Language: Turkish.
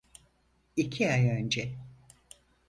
İki ay önce.